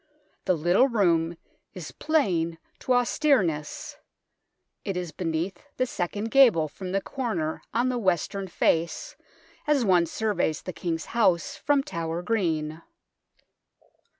The little room is plain to austereness. It is beneath the second gable from the corner on the western face as one surveys the King's House from Tower Green.